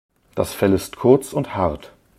Das Fell ist kurz und hart.